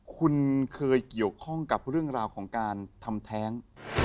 คุณเคยเกี่ยวข้องกับเรื่องราวของการทำแท้ง